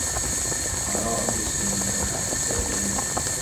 Not all fixed-wing aircraft have tailplanes.